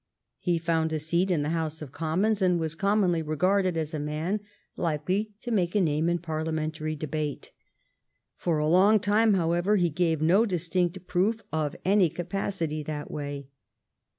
He found a seat in the House of Commons, and was commonly regarded as a man likely to make a name in Parliamentary de bate. For a long time, however, he gave no dis tinct proof of any capacity that way.